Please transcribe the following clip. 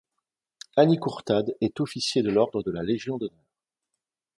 Anny Courtade est officier de l'ordre de la Légion d'honneur.